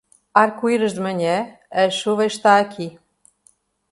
Arco-íris de manhã, a chuva está aqui.